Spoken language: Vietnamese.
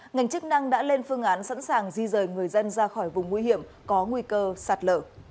ngành chức năng đã lên phương án sẵn sàng di rời người dân ra khỏi vùng nguy hiểm có nguy cơ sạt lở